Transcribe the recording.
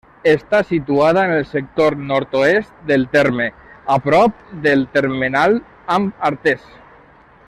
Està situada en el sector de nord-oest del terme, a prop del termenal amb Artés.